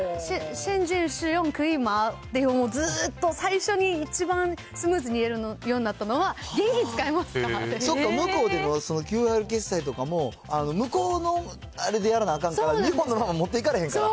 ずっと最初に一番スムーズに言えるようになったのは、そっか、向こうでは、ＱＲ決済とかも、向こうのあれでやらなあかんから、日本のまま持っていかれへんから。